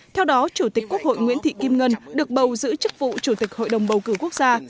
theo đó chủ tịch quốc hội nguyễn thị kim ngân được bầu giữ chức vụ chủ tịch hội đồng bầu cử quốc gia